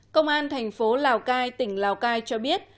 công an thành phố lào cai tỉnh lào cai cho biết